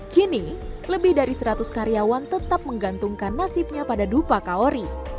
kini lebih dari seratus karyawan tetap menggantungkan nasibnya pada dupa kaori